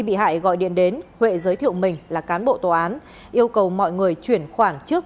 bị hại gọi điện đến huệ giới thiệu mình là cán bộ tòa án yêu cầu mọi người chuyển khoản trước